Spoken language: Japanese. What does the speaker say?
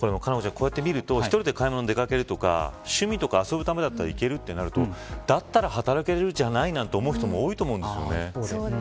こうやって見ると１人で買い物に出掛けるとか趣味とか遊ぶためには出掛けるというとたった働けるんじゃないかと思う人も多いと思うんですね。